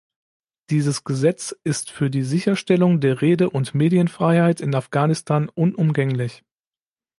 Dieses Gesetz ist für die Sicherstellung der Rede- und Medienfreiheit in Afghanistan unumgänglich.